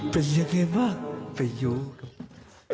เป็นยังไงบ้างไปดูครับ